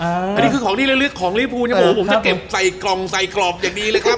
อันนี้คือของที่ลึกของลิภูนะผมจะเก็บใส่กล่องใส่กรอบอย่างดีเลยครับ